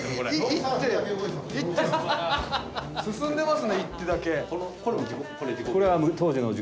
進んでますね一手だけ。